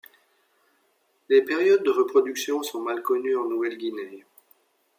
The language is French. Les périodes de reproduction sont mal connues en Nouvelle-Guinée.